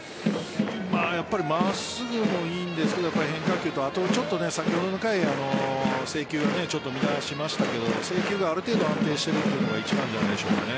やっぱり真っすぐもいいんですが変化球と先ほどの回制球を乱しましたが制球がある程度安定しているのが一番じゃないでしょうかね。